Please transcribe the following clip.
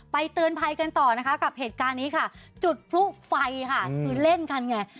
เตือนภัยกันต่อนะคะกับเหตุการณ์นี้ค่ะจุดพลุไฟค่ะคือเล่นกันไง